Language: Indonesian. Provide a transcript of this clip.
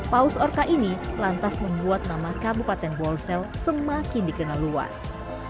paus orka ini lantas membuat nama kabupaten bolsel semakin dikenal luas